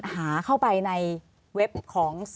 หาเข้าไปในเว็บของ